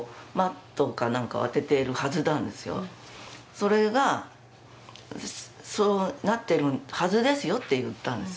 それがそうなってるはずですよと言ったんです。